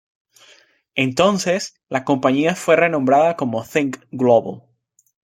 Entonces, la compañía fue renombrada como Think Global.